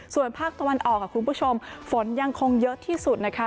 ส่วนภาคตะวันออกคุณผู้ชมฝนยังคงเยอะที่สุดนะคะ